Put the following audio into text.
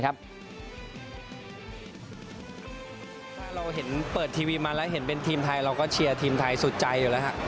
ถ้าเราเห็นเปิดทีวีมาแล้วเห็นเป็นทีมไทยเราก็เชียร์ทีมไทยสุดใจอยู่แล้ว